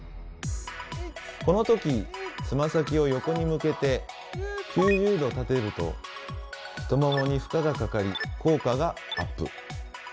この時つま先を横に向けて９０度立てると太ももに負荷がかかり効果がアップ。